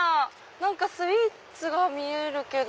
何かスイーツが見えるけど。